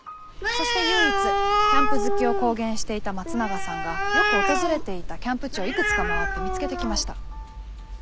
そして唯一キャンプ好きを公言していた松永さんがよく訪れていたキャンプ地をいくつか回って見つけてきました。